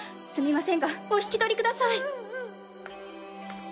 すみませんがお引き取りください。